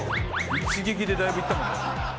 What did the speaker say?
一撃でだいぶいったもんね。